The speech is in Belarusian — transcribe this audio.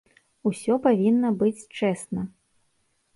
Усё павінна быць чэсна.